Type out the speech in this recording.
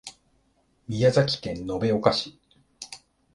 宮崎県延岡市